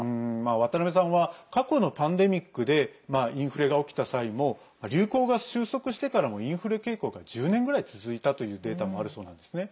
渡辺さんは過去のパンデミックでインフレが起きた際も流行が収束してからもインフレ傾向が１０年ぐらい続いたというデータもあるそうなんですね。